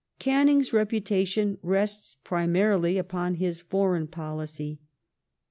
Canning's reputation rests primarily upon his foreign policy .